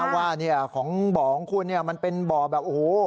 ว่าของบ่อของคุณมันเป็นบ่อแบบโอ้โห